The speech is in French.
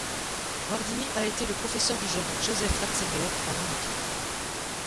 Guardini a été le professeur du jeune Josef Ratzinger à Munich.